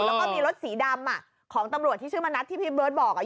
แล้วก็มีรถสีดำของตำรวจที่ชื่อมณัฐที่พี่เบิร์ตบอก